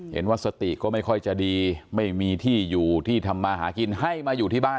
เห็นว่าสติก็ไม่ค่อยจะดีไม่มีที่อยู่ที่ทำมาหากินให้มาอยู่ที่บ้าน